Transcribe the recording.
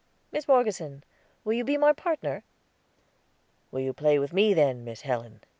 Miss Morgeson, will you be my partner?" "Will you play with me then, Miss Helen?"